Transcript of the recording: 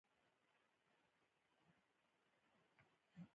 د روغتیا ساتنه د ښه ژوند لپاره ضروري ده.